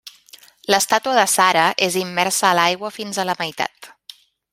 L'estàtua de Sara és immersa a l'aigua fins a la meitat.